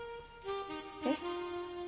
えっ？